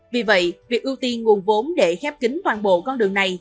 vì vậy việc ưu tiên nguồn vốn để khép kính toàn bộ con đường này